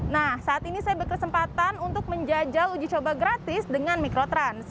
nah saat ini saya berkesempatan untuk menjajal uji coba gratis dengan mikrotrans